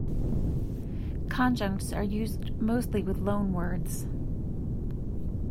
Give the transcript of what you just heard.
Conjuncts are used mostly with loan words.